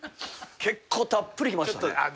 結構たっぷりきましたね。